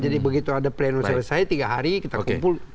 jadi begitu ada pleno selesai tiga hari kita kumpul